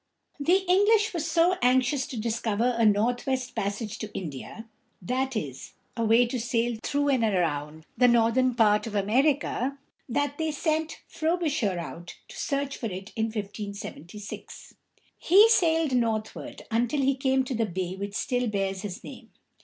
The English were so anxious to discover a northwest passage to India (that is, a way to sail through or around the northern part of America) that they sent Frob´ish er out to search for it in 1576. He sailed northward until he came to the bay which still bears his name.